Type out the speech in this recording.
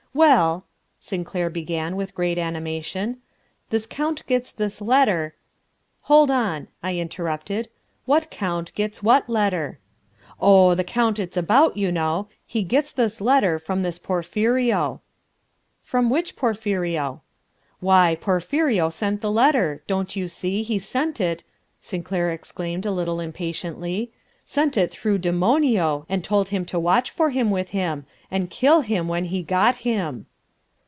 "Well," Sinclair began with great animation, "this count gets this letter...." "Hold on," I interrupted, "what count gets what letter?" "Oh, the count it's about, you know. He gets this letter from this Porphirio." "From which Porphirio?" "Why, Porphirio sent the letter, don't you see, he sent it," Sinclair exclaimed a little impatiently "sent it through Demonio and told him to watch for him with him, and kill him when he got him."